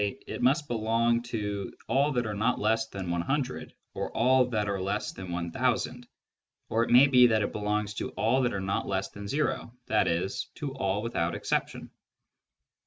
it must belong to all that are not less than 100, or all that are less than 1000, or it may be that it belongs to all that are not less than o, i.e. to all without exception.